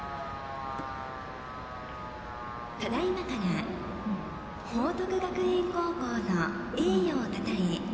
ただいまから報徳学園高校の栄誉をたたえ